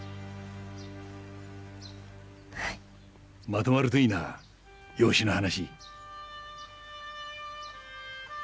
まとまるといいな養子の話。